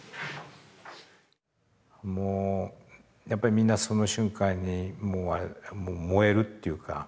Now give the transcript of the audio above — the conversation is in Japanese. もうやっぱりみんなその瞬間に燃えるっていうか